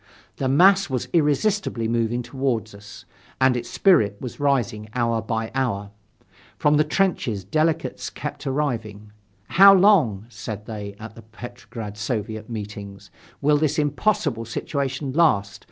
The mass was irresistibly moving toward us, and its spirit was rising hour by hour. From the trenches delegates kept arriving. "How long," said they, at the Petrograd Soviet meetings, "will this impossible situation last?